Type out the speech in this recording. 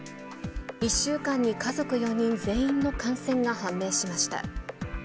１週間に家族４人全員の感染が判明しました。